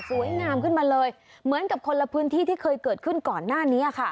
สวยงามขึ้นมาเลยเหมือนกับคนละพื้นที่ที่เคยเกิดขึ้นก่อนหน้านี้ค่ะ